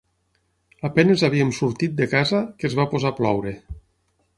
A penes havíem sortit de casa que es va posar a ploure.